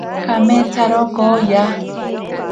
Kameetsaro kooya.